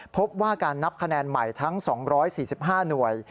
พบว่าการนับคะแนนใหม่ทั้ง๒๔๕หน่วย